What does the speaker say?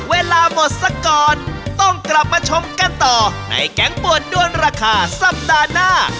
เวลาหมดสักก่อนต้องกลับมาชมกันต่อในแก๊งป่วนด้วนราคาสัปดาห์หน้า